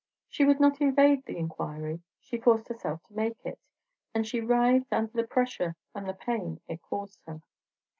She would not evade the inquiry; she forced herself to make it; and she writhed under the pressure and the pain it caused her.